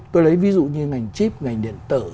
tôi lấy ví dụ như ngành chip ngành điện tử